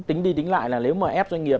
tính đi tính lại là nếu mà ép doanh nghiệp